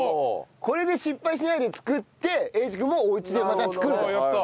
これで失敗しないで作って英二君もおうちでまた作ると。